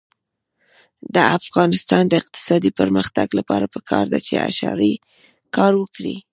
د افغانستان د اقتصادي پرمختګ لپاره پکار ده چې اشارې کار وکړي.